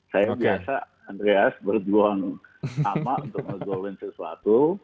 saya biasa andreas berjuang sama untuk meng goal in sesuatu